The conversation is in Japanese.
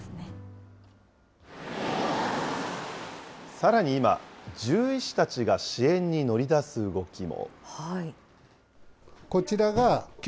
さらに今、獣医師たちが支援に乗り出す動きも。